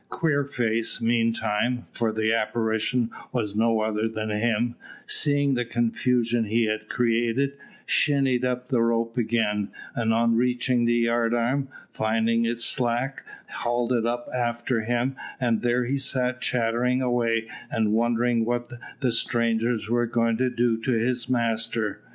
Queerface, meantime, for the apparition was no other than him, seeing the confusion he had created, shinned up the rope again, and on reaching the yard arm, finding it slack, hauled it up after him, and there he sat chattering away and wondering what the strangers were going to do to his master.